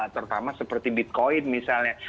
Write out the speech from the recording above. terutama seperti bitcoin misalnya